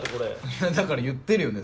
いやだから言ってるよね